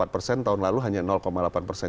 empat persen tahun lalu hanya delapan persen